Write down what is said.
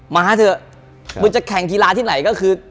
มาเถอะมึงจะแข่งกีฬาที่ไหนก็คือ